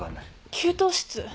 給湯室？